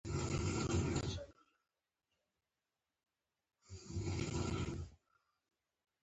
دا کار بل کس ته د صلاحیت په سپارلو کیږي.